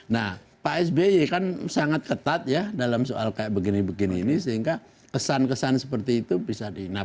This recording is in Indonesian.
nah pak sby kan sangat ketat ya dalam soal kayak begini begini ini sehingga kesan kesan seperti itu bisa diingatkan